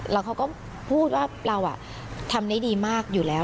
แล้วเขาก็พูดว่าเราทำได้ดีมากอยู่แล้ว